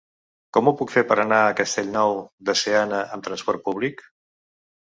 Com ho puc fer per anar a Castellnou de Seana amb trasport públic?